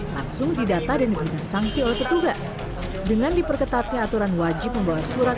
langsung didata dan diberikan sanksi oleh petugas dengan diperketatnya aturan wajib membawa surat